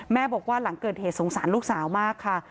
บอกว่าหลังเกิดเหตุสงสารลูกสาวมากค่ะ